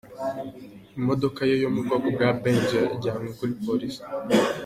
Imodoka ye yo mu bwoko bwa Benz nayo yajyanywe kuri Polisi.